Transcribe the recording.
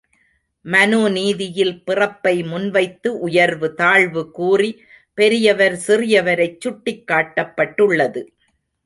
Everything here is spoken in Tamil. மனுநீதியில் பிறப்பை முன்வைத்து உயர்வு தாழ்வு கூறி, பெரியவர் சிறியவரைச் சுட்டிக்காட்டப்பட்டுள்ளது.